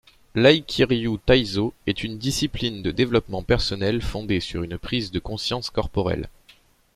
L'Aïkiryu-taïso est une discipline de développement personnel fondée sur une prise de conscience corporelle.